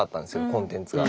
コンテンツが。